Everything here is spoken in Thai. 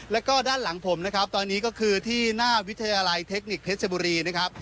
แล้วก็ด้านหลังผมนะครับตอนนี้ก็คือที่หน้าวิทยาลัยเทคนิคเพชรบุรีนะครับ